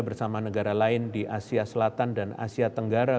bersama negara lain di asia selatan dan asia tenggara